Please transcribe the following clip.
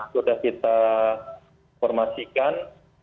sudah kita formasikan